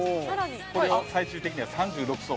これを最終的には３６層。